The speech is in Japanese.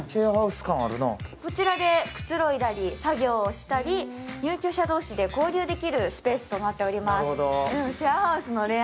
こちらでくつろいだり作業したり、入居者同士で交流できるスペースとなっています。